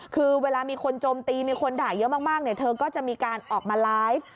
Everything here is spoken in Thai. คือเวลามีคนโจมตีมีคนด่าเยอะมากเธอก็จะมีการออกมาไลฟ์